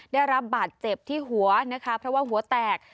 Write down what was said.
ได้รับบาดเจ็บที่หัวนะคะเพราะว่าหัวแตก